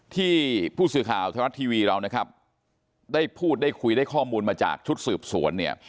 ที่ผู้สื่อข่าวไทยรัฐทีวีเรานะครับได้พูดได้คุยได้ข้อมูลมาจากชุดสืบสวนเนี่ย